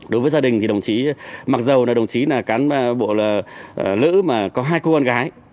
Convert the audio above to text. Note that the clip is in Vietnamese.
đối với gia đình thì đồng chí mặc dù là đồng chí là cán bộ là lữ mà có hai cô con gái